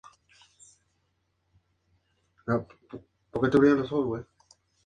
Completar algunas etapas afectará sutilmente el paisaje de los demás.